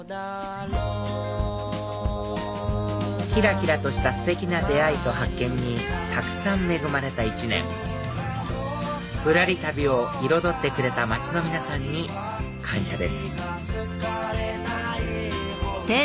きらきらとしたステキな出会いと発見にたくさん恵まれた一年ぶらり旅を彩ってくれた街の皆さんに感謝です